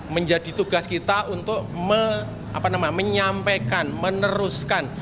menjadi tugas kita untuk menyampaikan meneruskan